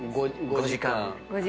５時間。